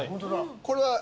これは？